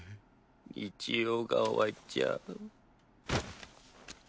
日曜が終わっちゃう